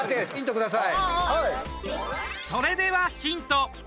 それではヒント。